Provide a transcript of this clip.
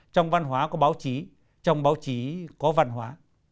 trong văn hóa có báo chí trong báo chí có văn hóa